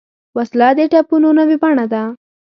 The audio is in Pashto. وسله د ټپونو نوې بڼه ده